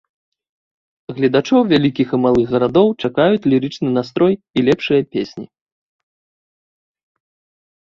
Гледачоў вялікіх і малых гарадоў чакаюць лірычны настрой і лепшыя песні.